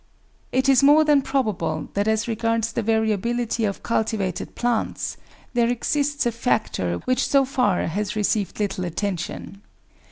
It is more than probable that as regards the variability of culti vated plants there exists a factor which so far has received little attention.